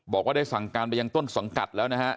บอกว่าได้สั่งการไปยังต้นสังกัดแล้วนะฮะ